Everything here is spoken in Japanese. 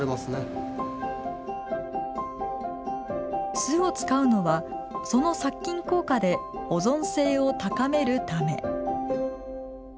酢を使うのは、その殺菌効果で保存性を高めるため。